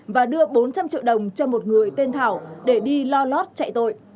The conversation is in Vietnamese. và đưa bốn trăm linh triệu đồng cho một người tên thảo để đi lo lót chạy tội